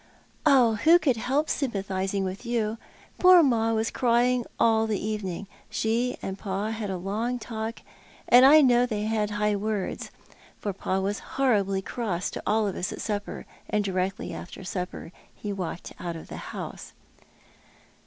" Who could help sympathising with you ? Poor Ma was crying all the evening. She and Pa had a long talk, and I know they had high words, for Pa was horribly cross to all of us at supper; and directly after supper he walked out of the house."